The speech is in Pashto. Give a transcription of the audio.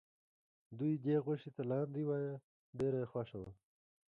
دوی دې غوښې ته لاندی وایه ډېره یې خوښه وه.